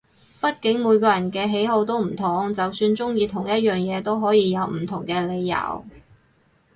畢竟每個人嘅喜好都唔同，就算中意同一樣嘢都可以有唔同嘅理由